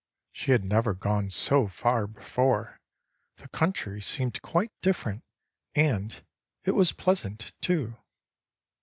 She had never gone so far before. The country seemed quite different, and it was pleasant, too.